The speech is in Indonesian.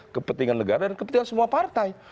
kepentingan negara dan kepentingan semua partai